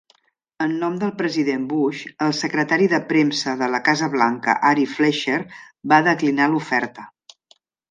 En nom del president Bush, el Secretari de Premsa de la Casa Blanca Ari Fleischer va declinar l'oferta.